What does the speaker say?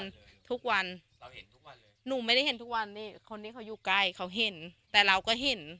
มันทุกวันเราเห็นทุกวันเลยหนูไม่ได้เห็นทุกวันนี้คนที่เขาอยู่ใกล้เขาเห็นแต่เราก็เห็น